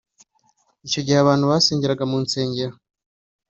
Icyogihe abantu basengeraga mu insengero